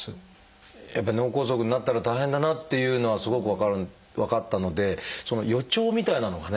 やっぱり脳梗塞になったら大変だなっていうのはすごく分かったのでその予兆みたいなのがね